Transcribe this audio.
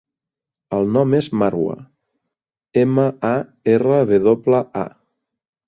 El nom és Marwa: ema, a, erra, ve doble, a.